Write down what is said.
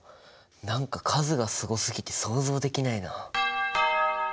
何か数がすごすぎて想像できないな。